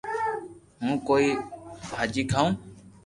ھون ڪوئي ڀاجي کاوِ